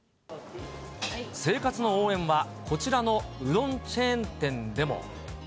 生活の応援は、こちらのうどんチェーン店でも。